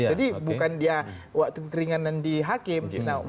jadi bukan dia waktu keringanan dihakim